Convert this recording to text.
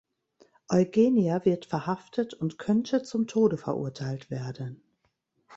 Eugenia wird verhaftet und könnte zum Tode verurteilt werden.